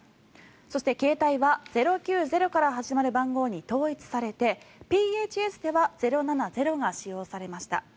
そして携帯は０９０から始まる番号に統一されてＰＨＳでは０７０が使用されました。